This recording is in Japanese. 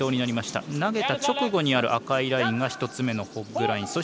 投げた直後にあるラインが１つ目のホッグライン。